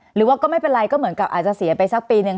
หรือว่าก็ไม่เป็นไรก็เหมือนกับอาจจะเสียไปสักปีนึง